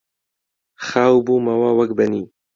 خاو بوومەوە وەک بەنی